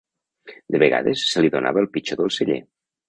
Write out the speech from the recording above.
De vegades se li donava el pitjor del celler.